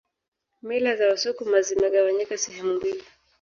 Mila za wasukuma zimegawanyika sehemu mbili